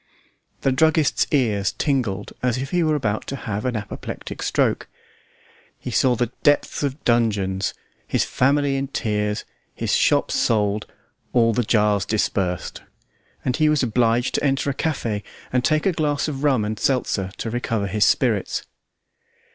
The druggist's ears tingled as if he were about to have an apoplectic stroke; he saw the depths of dungeons, his family in tears, his shop sold, all the jars dispersed; and he was obliged to enter a cafe and take a glass of rum and seltzer to recover his spirits.